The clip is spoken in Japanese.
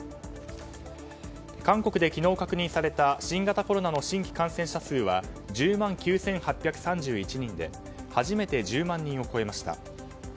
韓国で昨日確認された新型コロナの新規感染者数は１０万９８３１人で初めて１０万人を超えました。